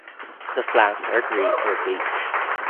The flanks are grey or beige.